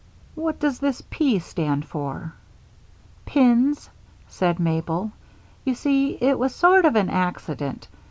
"What does this 'P' stand for?" "Pins," said Mabel. "You see it was sort of an accident.